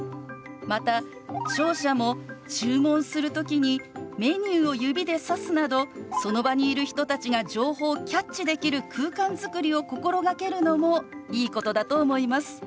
また聴者も注文する時にメニューを指でさすなどその場にいる人たちが情報をキャッチできる空間作りを心がけるのもいいことだと思います。